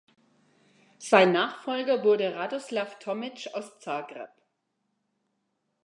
Sein Nachfolger wurde Radoslav Tomic aus Zagreb.